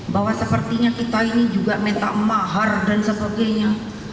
bahwa sepertinya kita ini juga minta mahar dan sebagainya